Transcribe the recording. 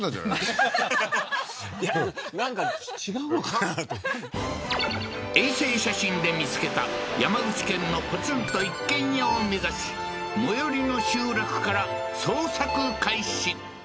はっいやなんか違うのかなと衛星写真で見つけた山口県のポツンと一軒家を目指し最寄りの集落から捜索開始